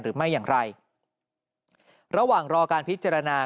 หรือไม่อย่างไรระหว่างรอการพิจารณา